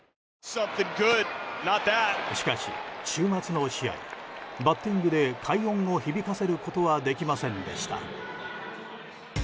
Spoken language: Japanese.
しかし、週末の試合バッティングで快音を響かせることはできませんでした。